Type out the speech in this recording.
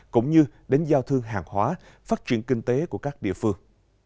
cũng như đến giao thương hàng hóa phát triển kinh tế của các địa phương